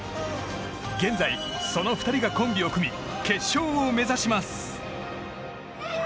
現在、その２人がコンビを組み決勝を目指します。